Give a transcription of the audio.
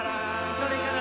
「それから」